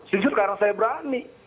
justru karena saya berani